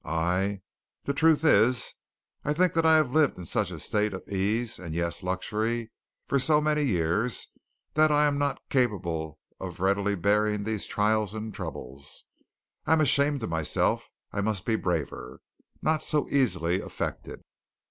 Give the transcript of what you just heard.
"I the truth is, I think I have lived in such a state of ease and yes, luxury, for so many years that I am not capable of readily bearing these trials and troubles. I'm ashamed of myself I must be braver not so easily affected."